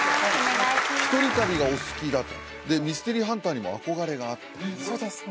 一人旅がお好きだとでミステリーハンターにも憧れがあってそうですね